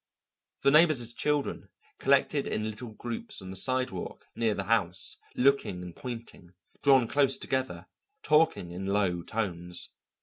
The neighbours' children collected in little groups on the sidewalk near the house, looking and pointing, drawn close together, talking in low tones.